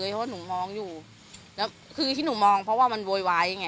เพราะว่าหนูมองอยู่แล้วคือที่หนูมองเพราะว่ามันโวยวายไง